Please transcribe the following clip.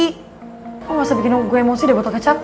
kok lo masa bikin gue emosi udah botol kecap